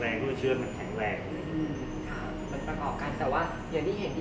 เพราะฉะนั้นเชื้ออุ่มแข็งแรงด้วย